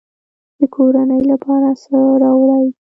د کورنۍ لپاره څه راوړئ؟